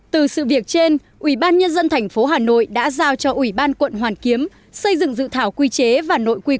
từ sự việc trên ủy ban nhân dân thành phố hà nội đã giao cho ủy ban quận hoàn kiếm xây dựng dự thảo quy chế và nội quy